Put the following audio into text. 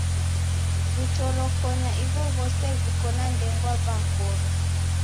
Vitorokonya ivovose viko na ndengwa vakorwa.